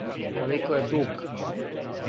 Колико је дуг?